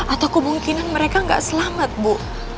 atau kemungkinan mereka nggak selamat bu